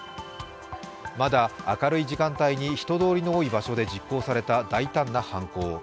まだ明るい時間帯に人通りの多い場所で実行された大胆な犯行。